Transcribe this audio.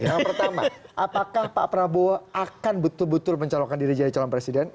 yang pertama apakah pak prabowo akan betul betul mencalonkan diri jadi calon presiden